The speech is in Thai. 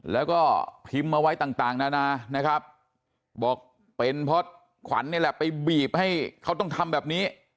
แล้วก็พิมพ์เอาไว้ต่างนานานะครับบอกเป็นเพราะขวัญนี่แหละไปบีบให้เขาต้องทำแบบนี้